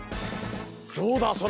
どうだ？